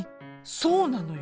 そうなのよ！